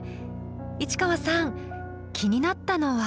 市川さん気になったのは？